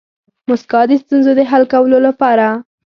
موسکا د ستونزو د حل کولو لپاره